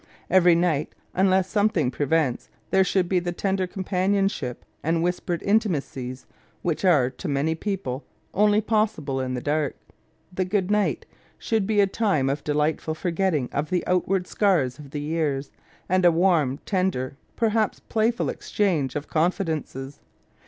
Every night, unless something prevents, there should be the tender companionship and whispered intimacies which are, to many people, only possible in the dark. The « good night » should be a time of delightflil forgetting of the outward scars of the years, and a warm, tender, perhaps playful exchange of con fidences.